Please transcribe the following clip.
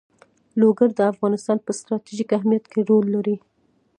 لوگر د افغانستان په ستراتیژیک اهمیت کې رول لري.